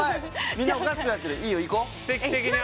みんなおかしくなってるいいよ